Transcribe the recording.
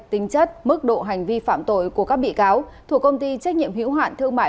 tính chất mức độ hành vi phạm tội của các bị cáo thuộc công ty trách nhiệm hữu hạn thương mại